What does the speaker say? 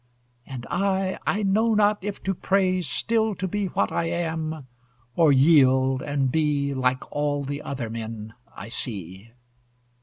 And I, I know not if to pray Still to be what I am, or yield, and be Like all the other men I see.